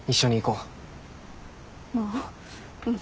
まあうん。